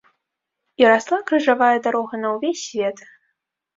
І расла крыжавая дарога на ўвесь свет.